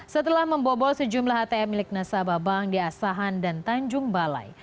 setelah membobol sejumlah atm milik nasabah bank di asahan dan tanjung balai